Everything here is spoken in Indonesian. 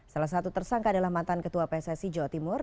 salah satu tersangka adalah mantan ketua pssi jawa timur